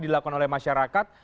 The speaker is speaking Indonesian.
dilakukan oleh masyarakat